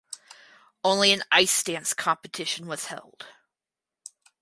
Only an ice dance competition was held.